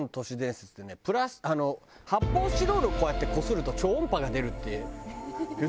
あの発泡スチロールをこうやってこすると超音波が出るっていってね。